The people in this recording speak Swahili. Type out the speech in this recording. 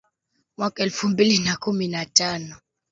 mwaka elfu mbili na kumi na tano